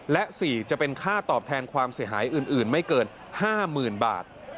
และ๔จะเป็นค่าตอบแทนความเสียหายอื่นไม่เกิน๕๐๐๐บาท